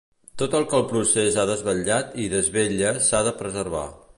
Tot el que el procés ha desvetllat i desvetlla s’ha de preservar.